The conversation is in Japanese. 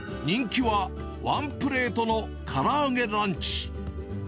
人気は、ワンプレートのカラアゲランチ。